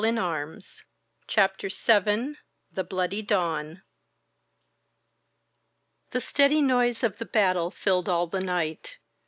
••• CHAPTER Vn THE BLOODY DAWN THE steady noise of battle filled all the night.